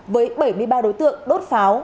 với bảy mươi ba đối tượng đốt pháo